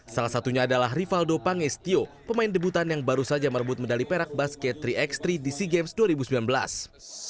salah satunya adalah rivaldo pangestio pemain debutan yang baru saja merebut medali perak basket tiga x tiga di sea games dua ribu sembilan belas